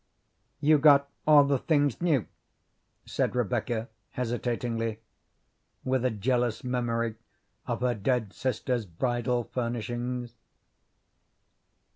"You got all the things new?" said Rebecca hesitatingly, with a jealous memory of her dead sister's bridal furnishings.